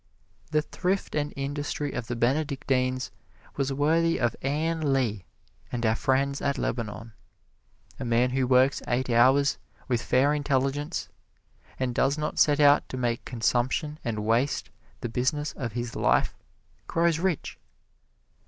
The thrift and industry of the Benedictines was worthy of Ann Lee and our friends at Lebanon. A man who works eight hours, with fair intelligence, and does not set out to make consumption and waste the business of his life, grows rich.